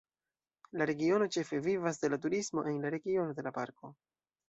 La regiono ĉefe vivas de la turismo en la regiono de la parko.